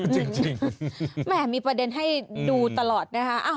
จริงจริงแหมมีประเด็นให้ดูตลอดนะฮะอ่า